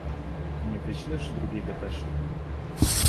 "Nie wyślesz drugiej depeszy?"